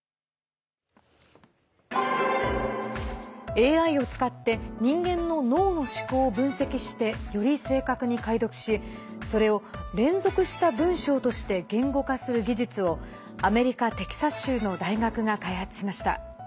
ＡＩを使って人間の脳の思考を分析してより正確に解読しそれを連続した文章として言語化する技術をアメリカ・テキサス州の大学が開発しました。